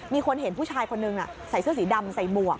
มีคนเห็นผู้ชายคนนึงใส่เสื้อสีดำใส่หมวก